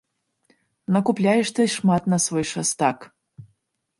Накупляеш ты шмат на свой шастак!